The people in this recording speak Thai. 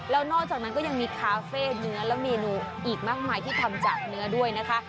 แล้วนอกจากนั้นก็ยังมีคาเฟ่เนื้อและเมนูอีกมากมายที่ทำจากเนื้อด้วยนะคะ